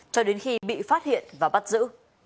cho đến khi bị phát hiện và bắt giữ